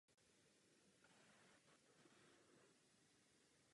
Praha se tehdy stala jedním významných radikálních měst v celé Evropě.